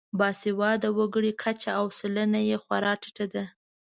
باسواده وګړو کچه او سلنه یې خورا ټیټه ده.